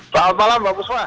selamat malam mbak buswa